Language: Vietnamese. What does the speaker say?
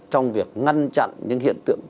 trong việc ngăn chặn những hiện tượng